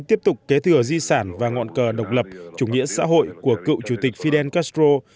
tiếp tục kế thừa di sản và ngọn cờ độc lập chủ nghĩa xã hội của cựu chủ tịch fidel castro